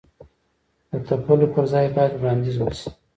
د تپلو پر ځای باید وړاندیز وشي.